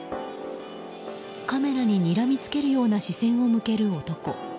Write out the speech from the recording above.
カメラに、にらみつけるような視線を向ける男。